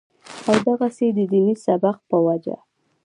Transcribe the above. او دغسې د ديني سبق پۀ وجه